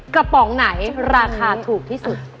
ปองไหนราคาถูกที่สุด